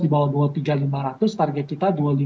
di bawah dua puluh tiga lima ratus target kita